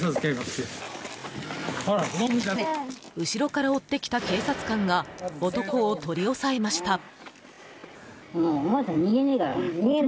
後ろから追ってきた警察官が男を取り押さえました。